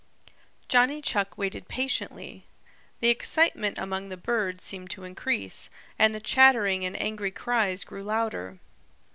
Johnny Chuck waited patiently. The excitement among the birds seemed to increase, and the chattering and angry cries grew louder.